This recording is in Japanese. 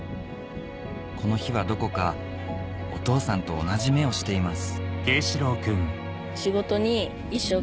この日はどこかお父さんと同じ目をしています